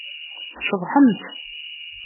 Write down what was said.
Tceḍḥemt.